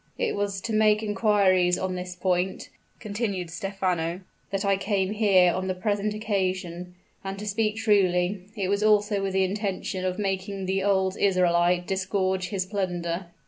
"It was to make inquiries on this point," continued Stephano, "that I came here on the present occasion. And to speak truly, it was also with the intention of making the old Israelite disgorge his plunder."